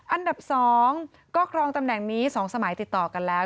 อันดับ๒ก็ครองตำแหน่งนี้๒สมัยติดต่อกันแล้ว